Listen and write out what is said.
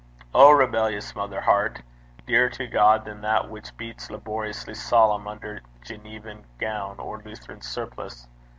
O rebellious mother heart! dearer to God than that which beats laboriously solemn under Genevan gown or Lutheran surplice!